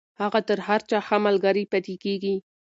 هغه تر هر چا ښه ملگرې پاتې کېږي.